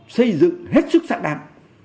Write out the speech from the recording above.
xây dựng hết sức sẵn đạp